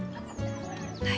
はい。